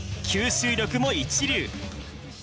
吸収力も一流。